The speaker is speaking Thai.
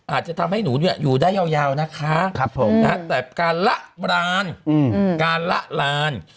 อาจจะทำให้หนูอยู่ได้ยาวนะคะแต่การละรานการละลาน